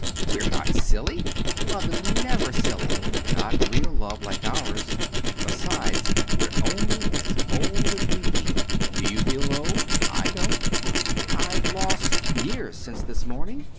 "We're not silly. Love is never silly—not real love like ours. Besides, we're only as old as we feel. Do you feel old? I don't. I've lost—years since this morning.